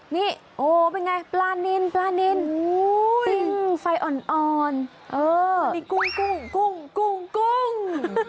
นี่เป็นไงปลานินฟัยอ่อนกุ้ง